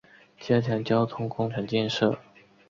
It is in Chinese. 加强交通工程建设